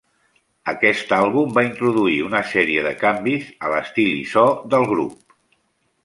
Aquest àlbum va introduir una sèrie de canvis a l'estil i so del grup.